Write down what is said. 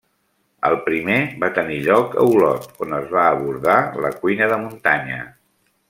El primer va tenir lloc a Olot, on es va abordar la cuina de muntanya.